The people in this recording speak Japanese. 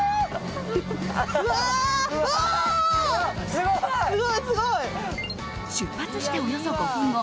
すごい、すごい。出発しておよそ５分後。